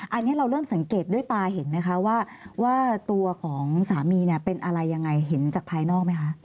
อันนี้เราเริ่มสังเกตด้วยตาเห็นไหมคะว่าตัวของสามีเนี่ยเป็นอะไรยังไงเห็นจากภายนอกไหมคะ